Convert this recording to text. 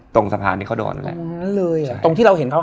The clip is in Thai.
ตรงสะพานที่เขาโดดนั่นแหละ